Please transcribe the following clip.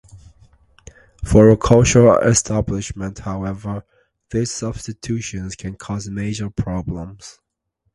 For a kosher establishment, however, these substitutions can cause major problems.